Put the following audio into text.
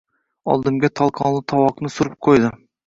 Oldimga tolqonli tovoqni surib qo‘ydi.